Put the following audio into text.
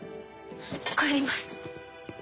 帰ります。